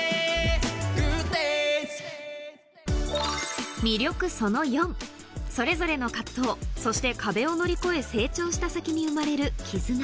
Ｇｏｏｄｄａｙｓそれぞれの藤そして壁を乗り越え成長した先に生まれる絆